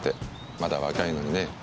まだ若いのにね。